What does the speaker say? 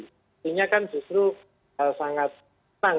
artinya kan justru sangat senang